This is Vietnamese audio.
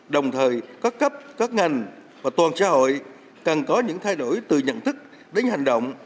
đồng thời các cấp các ngành và toàn xã hội cần có những thay đổi từ nhận thức đến hành động